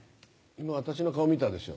今私の顔見たでしょ？